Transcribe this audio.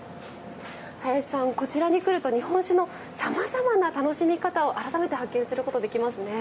林さんこちらに来ると日本酒のさまざまな楽しみ方を改めて発見することできますね。